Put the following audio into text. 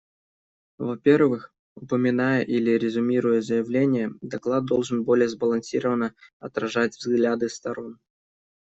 Во-первых, упоминая или резюмируя заявления, доклад должен более сбалансировано отражать взгляды сторон.